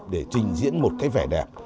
để trình diễn một cái vẻ đẹp